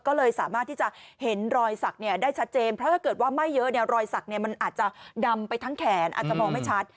ก็เลยสามารถที่จะเห็นรอยสักได้ชัดเจนเพราะถ้าเกิดว่าไม่เยอะเนี่ยรอยสักมันอาจจะดำไปทั้งแขนอาจจะมองไม่ชัด